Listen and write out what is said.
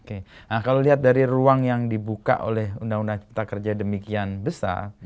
jadi misalnya kita lihat dari ruang yang dibuka oleh undang undang cipta kerja demikian besar